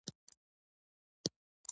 او دا هر څۀ دي